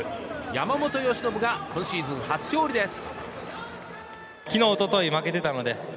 山本由伸が今シーズン初勝利です！